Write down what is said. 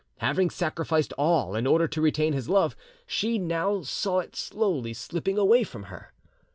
Having sacrificed all in order to retain his love, she now saw it slowly slipping away from her.